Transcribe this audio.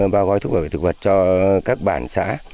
bao gói thuốc bảo vệ thực vật cho các bản xã